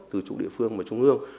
từ chủ địa phương và trung ương